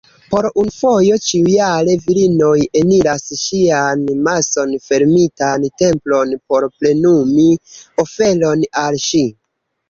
Po unu fojo ĉiujare, virinoj eniras ŝian mason-fermitan templon por plenumi oferon al ŝi.